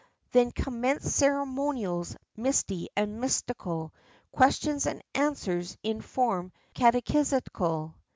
Then commenced ceremonials misty and mystical, Questions and answers in form catechistical.